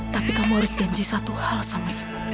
tapi kamu harus janji satu hal sama